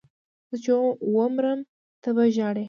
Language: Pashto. زه چې ومرم ته به ژاړې